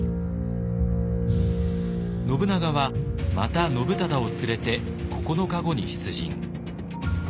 信長はまた信忠を連れて９日後に出陣。